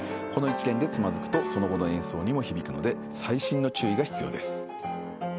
この一連でつまずくとその後の演奏にも響くので細心の注意が必要です。